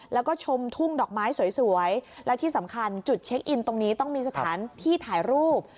แล้วก็ชมทุ่งดอกไม้สวยและที่สำคัญจุดเช็คอินตรงนี้ต้องมีสถานที่ถ่ายรูป